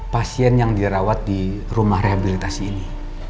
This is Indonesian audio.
pasien yang dirawat di rumah rehabilitasi ini